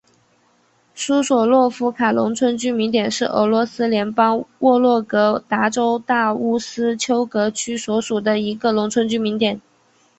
苏索洛夫卡农村居民点是俄罗斯联邦沃洛格达州大乌斯秋格区所属的一个农村居民点。